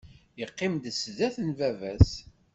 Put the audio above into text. Yeqqim-d sdat n baba-s!